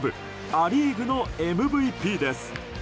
ア・リーグのＭＶＰです。